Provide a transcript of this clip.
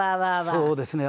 そうですね。